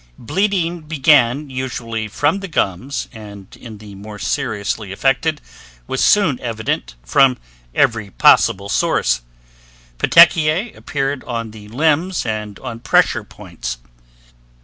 Bleeding began usually from the gums and in the more seriously affected was soon evident from every possible source. Petechiae appeared on the limbs and on pressure points.